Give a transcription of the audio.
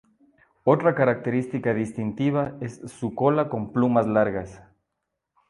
Otra característica distintiva es su cola con plumas largas.